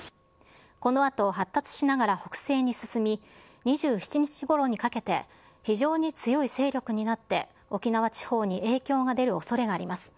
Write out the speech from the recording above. このあと発達しながら北西に進み、２７日ごろにかけて、非常に強い勢力になって、沖縄地方に影響が出るおそれがあります。